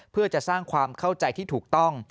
เพื่อจะสร้างความเข้าใจที่ถูกต้อง